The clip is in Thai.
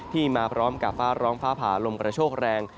มาพร้อมกับฟ้าร้องฟ้าผ่าลมกระโชคแรง